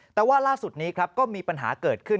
แต่ว่าล่าสุดนี้ครับก็มีปัญหาเกิดขึ้น